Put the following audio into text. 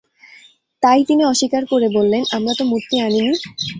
তাই তিনি অস্বীকার করে বললেন, আমরা তো মূর্তি আনিনি।